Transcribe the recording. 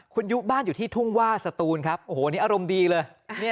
คุณยุบ้านอยู่ที่ทุ่งว่าสตูนครับโอ้โหนี่อารมณ์ดีเลย